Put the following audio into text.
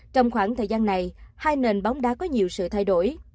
trong khoảng thời gian này hai nền bóng đá có nhiều sự thay đổi